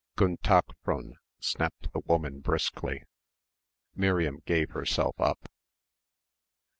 "Gun' Tak' Fr'n," snapped the woman briskly. Miriam gave herself up.